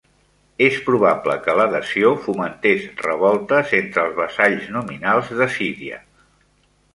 És probable que l'adhesió fomentés revoltes entre els vassalls nominals d'Assíria.